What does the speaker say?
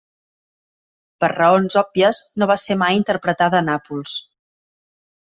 Per raons òbvies, no va ser mai interpretada a Nàpols.